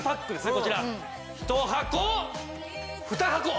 こちら１箱２箱。